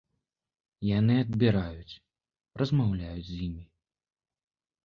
Яны адбіраюць, размаўляюць з імі.